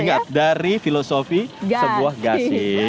ingat dari filosofi sebuah gasing